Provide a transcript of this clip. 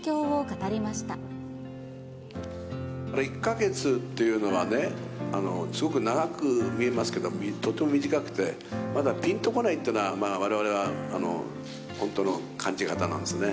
１か月っていうのはね、すごく長く見えますけど、とても短くて、まだぴんとこないというのは、われわれは本当の感じ方なんですよね。